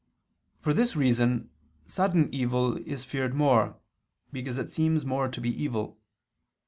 For this reason sudden evil is feared more, because it seems more to be evil.